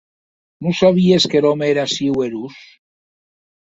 Non sabies qu’er òme ei aciu erós?